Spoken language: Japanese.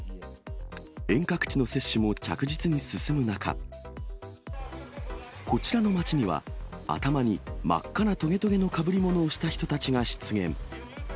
遠隔地の接種も着実に進む中、こちらの町には、頭に真っ赤なとげとげのかぶりものをした人たちが出現。